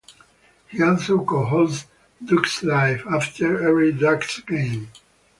He also co-hosts "Ducks Live", after every Ducks game.